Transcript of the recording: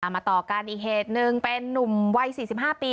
มาต่อกันอีกเหตุหนึ่งเป็นนุ่มวัย๔๕ปี